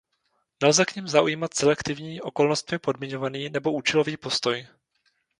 Nelze k nim zaujímat selektivní, okolnostmi podmiňovaný nebo účelový postoj.